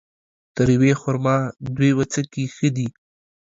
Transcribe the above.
تر يوې خرما ، دوې وڅکي ښه دي